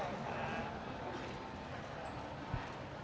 ขอมองกล้องลายเสือบขนาดนี้นะคะ